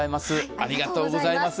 ありがとうございます。